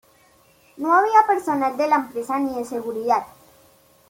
No había personal de la empresa ni de seguridad.